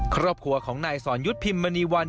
ครอบครัวของนายสอนยุทธ์พิมมณีวัน